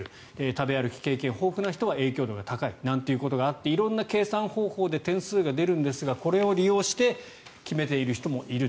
食べ歩き経験豊富な人は影響度が高いなんてことがあって色んな計算方法で点数が出るんですがこれを利用して、決めている人もいる。